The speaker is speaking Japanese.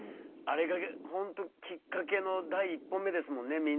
あれがほんときっかけの第一歩目ですもんね